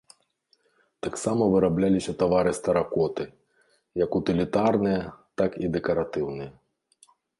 Таксама вырабляліся тавары з тэракоты, як утылітарныя, так і дэкаратыўныя.